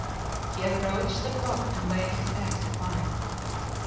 He approached the block and laid his axe upon it.